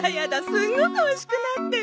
すごくおいしくなってる。